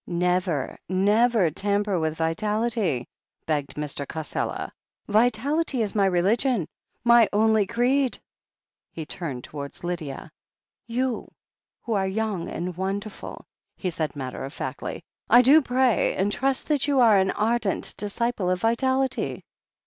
"Never, never tamper with vitality," begged Mr. Cassela. "Vitality is my religion — ^my only creed." He turned towards Lydia. "You, who are young and wonderful," he said mat ter of factly, "I do pray and trust that you are an ardent disciple of vitality